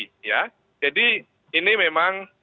bagaimana terjadi akan adanya perusakan bukti ya